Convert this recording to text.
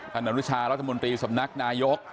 อนุชารัฐมนตรีสำนักนายก